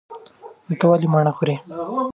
ته ولې مڼه خورې؟